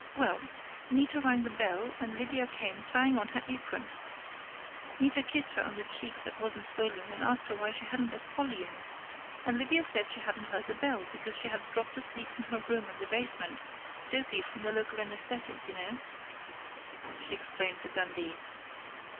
Well, Nita rang the bell and Lydia came, tying on her apron. Nita kissed her on the cheek that wasn't swollen, and asked her why she hadn't let Polly in. And Lydia said she hadn't heard the bell, because she had dropped asleep in her room in the basement dopey from the local anesthetic, you know," she explained to Dundee.